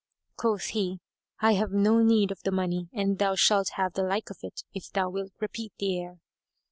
Quoth he, "I have no need of the money and thou shalt have the like of it, if thou wilt repeat the air."